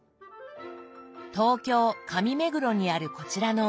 東京・上目黒にあるこちらのお店。